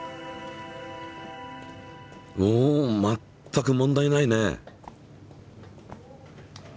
おまったく問題ないね。